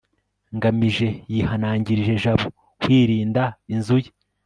ngamije yihanangirije jabo kwirinda inzu ye